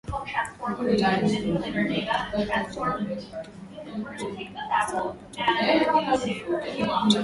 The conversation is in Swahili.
Ripoti hiyo, ambayo ni tathmini ya kila mwaka ya uchumi, ilisema pato la taifa la Uganda kwa kila mtu lilifikia takriban dola mia nane na arubaini